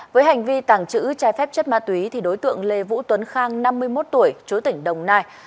với hành vi tăng chữ trai phép chất ma túy đối tượng lê vũ tuấn khang năm mươi một tuổi chối tỉnh đồng nai